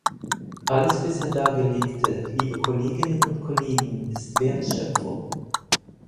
Alles bisher Dargelegte, liebe Kolleginnen und Kollegen, ist Wertschöpfung.